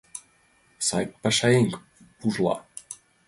Сай пашаеҥ пужла.